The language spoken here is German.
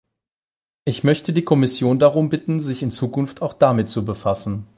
Ich möchte die Kommission darum bitten, sich in Zukunft auch damit zu befassen.